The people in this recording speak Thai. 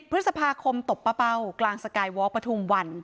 พฤษภาคมตบป้าเป้ากลางสกายวอล์ปฐุมวัน